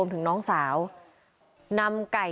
ธงเลยนะ